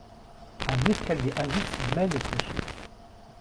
Un escalier à vis mène au clocher.